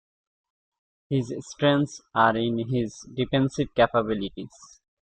His strengths are in his defensive capabilities.